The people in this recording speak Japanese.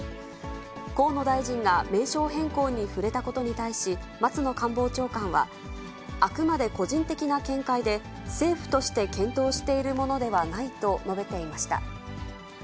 河野大臣が、名称変更に触れたことに対し、松野官房長官は、あくまで個人的な見解で、政府として検討しているものではないと述べていました。